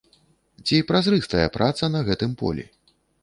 Ці празрыстая праца на гэтым полі?